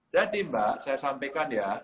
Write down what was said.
jadi mbak saya sampaikan ya